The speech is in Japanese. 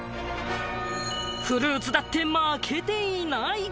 フルーツだって負けていない！